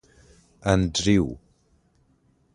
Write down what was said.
انډریو.